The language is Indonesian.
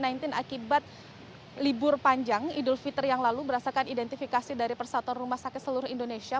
dan akibat libur panjang idul fitri yang lalu berdasarkan identifikasi dari persatuan rumah sakit seluruh indonesia